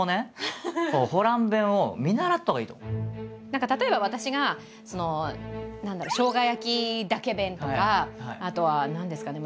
何か例えば私がそのショウガ焼きだけ弁とかあとは何ですかね